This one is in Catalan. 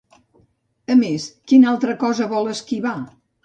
A més, quina altra cosa vol esquivar?